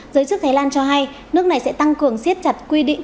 giới chức thái lan cho hay nước này sẽ tăng cường siết chặt quy định